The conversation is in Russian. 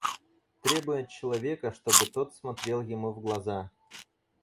Требуя от человека, чтобы тот смотрел ему в глаза.